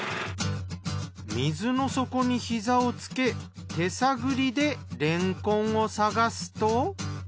水の底に膝をつけ手探りでれんこんを探すと。